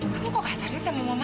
kamu kok kasar sih sama mama